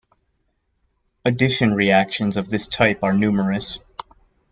Addition reactions of this type are numerous.